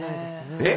えっ？